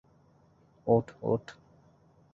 ওঠ, ওঠ।